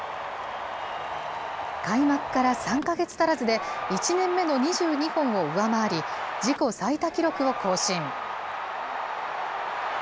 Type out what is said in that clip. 開幕から３か月足らずで、１年目の２２本を上回り、自己最多記録を更新。